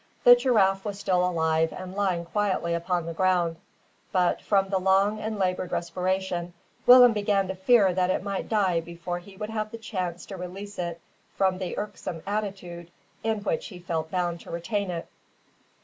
The giraffe was still alive and lying quietly upon the ground; but, from its long and laboured respiration, Willem began to fear that it might die before he would have the chance to release it from the irksome attitude in which he felt bound to retain it.